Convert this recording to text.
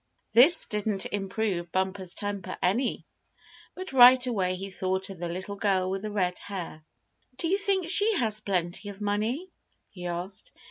This didn't improve Bumper's temper any; but right away he thought of the little girl with the red hair. "Do you think she has plenty of money?" he asked.